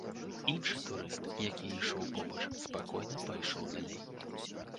Іншы турыст, які ішоў побач, спакойна пайшоў далей.